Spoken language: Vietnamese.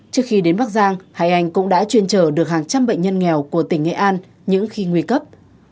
trước khi đến bắc giang hai anh cũng đã chuyên chở được hàng trăm bệnh nhân nghèo của tỉnh nghệ an những khi nguy cấp